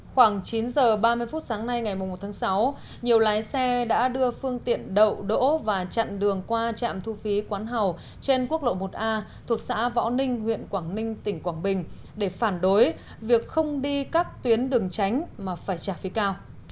khoảng chín h ba mươi phút sáng nay ngày một tháng sáu nhiều lái xe đã đưa phương tiện đậu đỗ và chặn đường qua trạm thu phí quán hào trên quốc lộ một a thuộc xã võ ninh huyện quảng ninh tỉnh quảng bình để phản đối việc không đi các tuyến đường tránh mà phải trả phí cao